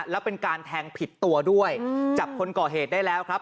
แล้วเป็นการแทงผิดตัวด้วยจับคนก่อเหตุได้แล้วครับ